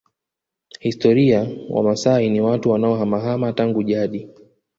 Historia Wamaasai ni watu wanaohamahama tangu jadi